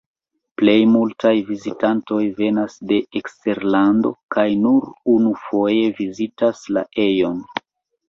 Plej multaj vizitantoj venas de eksterlando kaj nur unufoje vizitas la ejon.